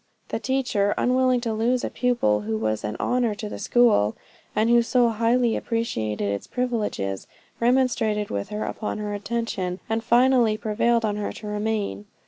The teacher, unwilling to lose a pupil who was an honor to the school, and who so highly appreciated its privileges, remonstrated with her upon her intention, and finally prevailed on her to remain.